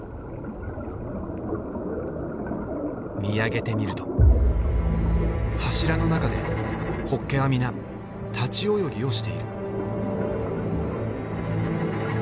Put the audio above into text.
見上げてみると柱の中でホッケは皆立ち泳ぎをしている。